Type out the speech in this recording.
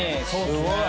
すごい。